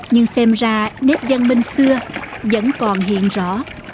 nhưng xem ra nét văn minh xưa vẫn còn hiện rõ